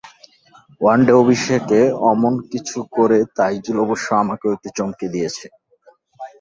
One day অভিষেকে অমন কিছু করে তাইজুল অবশ্য আমাকেও একটু চমকে দিয়েছে।